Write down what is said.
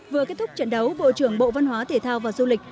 vừa kết thúc trận đấu bộ trưởng bộ văn hóa thể thao và du lịch